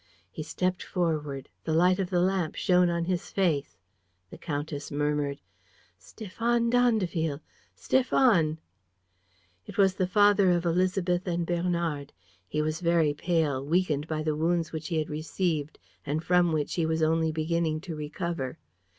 He stepped forward. The light of the lamp shone on his face. The countess murmured: "Stéphane d'Andeville. ... Stéphane. ..." It was the father of Élisabeth and Bernard. He was very pale, weakened by the wounds which he had received and from which he was only beginning to recover.